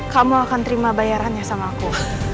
kamu akan terima bayarannya sama aku